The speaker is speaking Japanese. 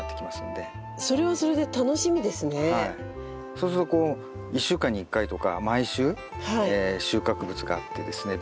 そうするとこう１週間に１回とか毎週収穫物があってですね